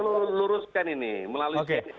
nah saya perlu luruskan ini melalui ini kan rupa